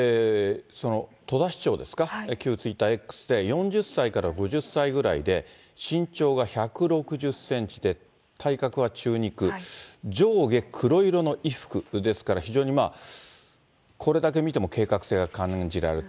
戸田市長ですか、旧ツイッター、Ｘで４０歳から５０歳ぐらいで、身長が１６０センチで、体格は中肉、上下黒色の衣服ですから非常にこれだけ見ても、計画性が感じられると。